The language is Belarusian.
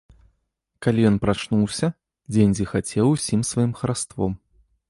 Калі ён прачнуўся, дзень зіхацеў усім сваім хараством.